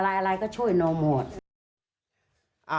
อะไรก็ช่วยหนูหมด